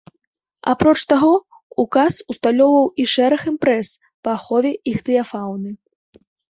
Апроч таго ўказ усталёўваў і шэраг імпрэз па ахове іхтыяфауны.